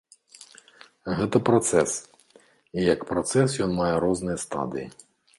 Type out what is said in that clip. Гэта працэс, і як працэс ён мае розныя стадыі.